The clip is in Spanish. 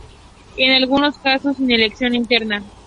En algunos casos, sin elección interna.